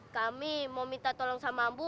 kami mau minta tolong sama ambu